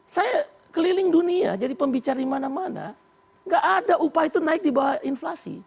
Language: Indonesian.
saya keliling dunia jadi pembicara di mana mana nggak ada upah itu naik di bawah inflasi